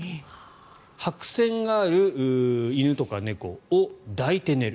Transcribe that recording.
白せんがある犬とか猫を抱いて寝る。